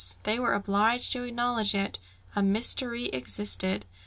they were obliged to acknowledge it, a mystery existed!